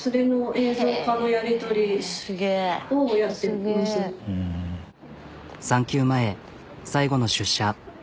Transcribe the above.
この産休前最後の出社。